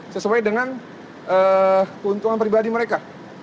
sesuai dengan keuntungan pribadi mereka